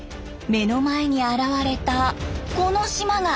目の前に現れたこの島が。